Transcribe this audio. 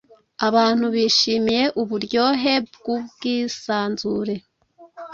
Abantu bishimiye uburyohe bwubwisanzure.